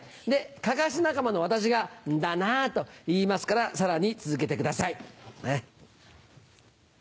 かかし仲間の私が「んだなぁ」と言いますからさらに続けてください。